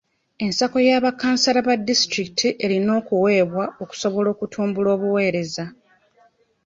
Ensako ya bakansala ba disitulikiti erina okubaweebwa okusobola okutumbula obuweereza.